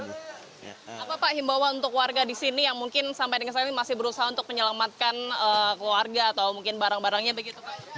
apa pak himbawan untuk warga di sini yang mungkin sampai dengan saat ini masih berusaha untuk menyelamatkan keluarga atau mungkin barang barangnya begitu pak